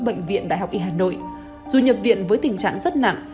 bệnh viện đại học y hà nội dù nhập viện với tình trạng rất nặng